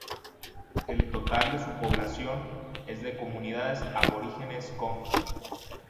El total de su población es de comunidades aborígenes kom.